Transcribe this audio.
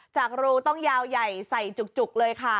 จากรูต้องยาวใหญ่ใส่จุกเลยค่ะ